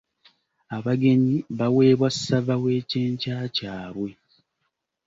Abagenyi baweebwa ssava w’ekyenkya kyabwe.